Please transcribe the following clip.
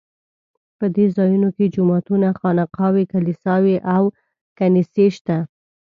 په دې ځایونو کې جوماتونه، خانقاوې، کلیساوې او کنیسې شته.